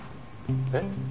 えっ？